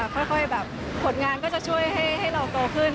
ค่อยแบบผลงานก็จะช่วยให้เราโตขึ้น